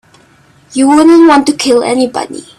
You wouldn't want to kill anybody.